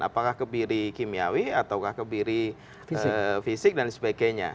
apakah kebiri kimiawi ataukah kebiri fisik dan sebagainya